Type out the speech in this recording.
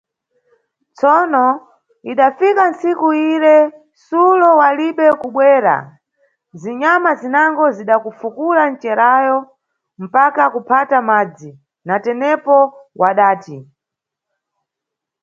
Tsono, idafika tsiku lire, Sulo walibe kubwera, zinyama zinango zida fukula ncerawo mpaka kuphata madzi, natepo wadati.